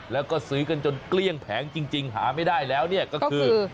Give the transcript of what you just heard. แล้วก็ซื้อกันจนเกลี้ยงแผงจริงหาไม่ได้แล้วเนี่ยก็คือ